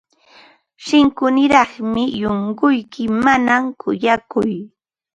Shillkuniraqmi shunquyki, mana kuyakuq.